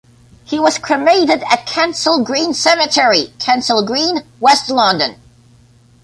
He was cremated at Kensal Green Cemetery, Kensal Green, west London.